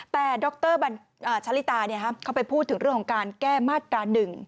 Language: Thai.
แต่ดรชะลิตาเขาไปพูดถึงเรื่องของการแก้มาตรา๑